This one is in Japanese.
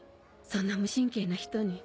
そんな無神経な人に。